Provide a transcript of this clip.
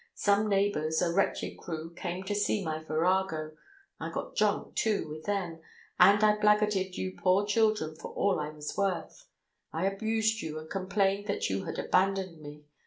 Some neighbours, a wretched crew, came to see my virago; I got drunk, too, with them, and I blackguarded you poor children for all I was worth. I abused you, and complained that you had abandoned me.